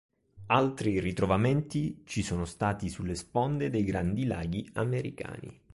Altri ritrovamenti ci sono stati sulle sponde dei Grandi Laghi americani.